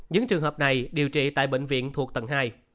những trường hợp này điều trị tại bệnh viện thuộc tầng hai